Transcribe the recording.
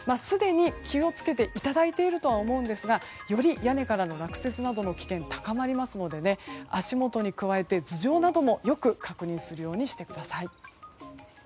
すでに気を付けていただいているとは思うんですがより屋根からの落雪などの危険が高まりますので足元に加えて頭上などもよく確認するようにしてください。